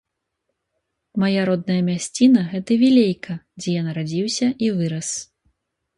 Мая родная мясціна - гэта вілейка, дзе я нарадзіўся і вырас.